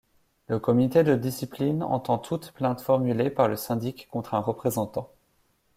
Le comité de discipline entend toute plainte formulée par le syndic contre un représentant.